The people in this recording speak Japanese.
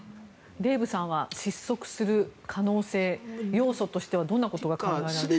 デーブさんは失速する可能性要素としてはどんなことが考えられますか。